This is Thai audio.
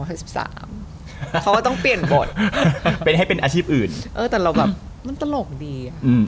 เพราะว่าต้องเปลี่ยนบทแต่เราแบบมันตลกดี